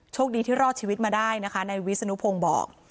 คดีที่รอดชีวิตมาได้นะคะนายวิศนุพงศ์บอก